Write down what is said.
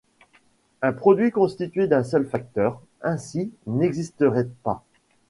Un produit constitué d'un seul facteur, ainsi, n'existerait pas.